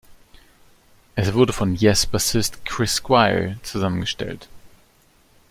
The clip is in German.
Es wurde von Yes-Bassist Chris Squire zusammengestellt.